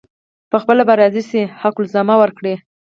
پخپله به راضي شي حق الزحمه ورکړي.